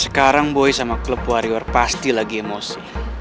sekarang boy sama klub warrior pasti lagi emosi